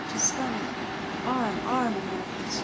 Tuscania!_ Arm, arm, Americans!